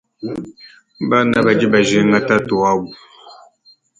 Bana badi bajinga tatu wabu.